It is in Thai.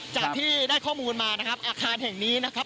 จากที่ได้ข้อมูลมานะครับอาคารแห่งนี้นะครับ